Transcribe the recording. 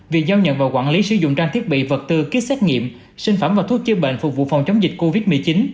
việc giao nhận và quản lý sử dụng trang thiết bị vật tư kích xét nghiệm sinh phẩm và thuốc chữa bệnh phục vụ phòng chống dịch covid một mươi chín